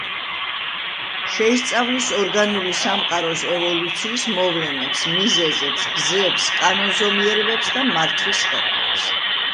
შეისწავლის ორგანული სამყაროს ევოლუციის მოვლენებს, მიზეზებს, გზებს, კანონზომიერებებს და მართვის ხერხებს.